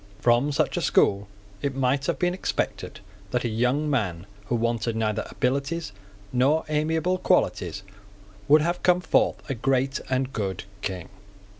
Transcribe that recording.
From such a school it might have been expected that a young man who wanted neither abilities nor amiable qualities would have come forth a great and good King.